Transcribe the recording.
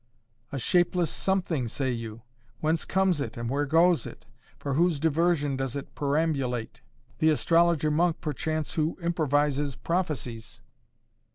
"A shapeless something, say you? Whence comes it and where goes it? For whose diversion does it perambulate?" "The astrologer monk perchance who improvises prophecies."